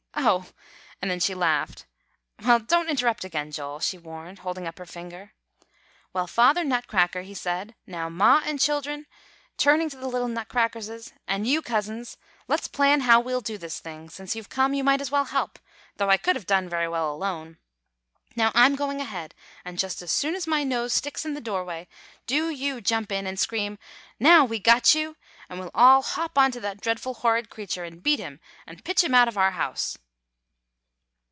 "Oh!" and then she laughed. "Well, don't interrupt again, Joel," she warned, holding up her finger. "Well, Father Nutcracker, he said, 'Now, Ma and children,' turning to the little Nutcrackerses, 'and you, cousins, let's plan how we'll do this thing; since you've come, you might as well help, though I could have done very well alone. Now, I'm going ahead; and just as soon as my nose sticks in the doorway, do you jump in and scream, "Now we got you!" and we'll all hop on to that dreadful horrid creature, and beat him, and pitch him out of our house.